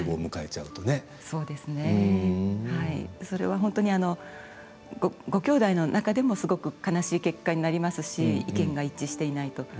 それは本当にごきょうだいの中でもすごく悲しい結果になりますし意見が一致していないと。